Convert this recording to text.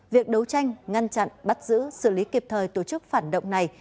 việc đấu tranh ngăn chặn bắt giữ xử lý kịp thời tổ chức phản động này